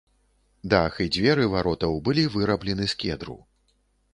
Дах і дзверы варотаў былі выраблены з кедру.